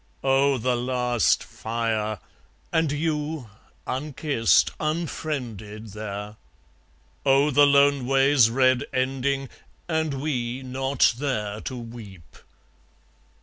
Oh, the last fire and you, unkissed, unfriended there! Oh, the lone way's red ending, and we not there to weep!